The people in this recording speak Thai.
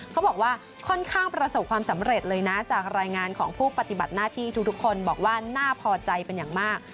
เขาบอกว่าค่อนข้างประสบความสำเร็จเลยนะจากรายงานของผู้ปฏิบัติหน้าที่ทุกคนบอกว่าน่าพอใจเป็นอย่างมาก